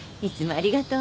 ありがとう。